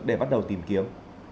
để bắt đầu tìm kiếm